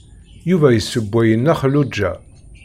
Yuba yessewway i Nna Xelluǧa.